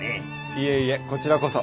いえいえこちらこそ。